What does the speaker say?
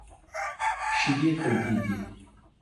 شیدې تودې دي !